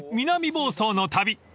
南房総の旅］